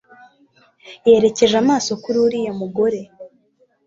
Yerekeje amaso kuri uriya mugore